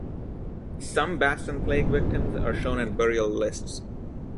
Some Baston plague victims are shown in burial lists.